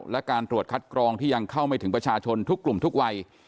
และการตรวจคัดกรองที่ยังเข้าไม่ถึงประชาชนทุกกลุ่มทุกวัย